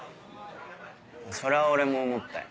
それは俺も思ったよ。